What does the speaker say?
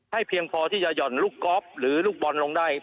เพียงพอที่จะห่อนลูกกอล์ฟหรือลูกบอลลงได้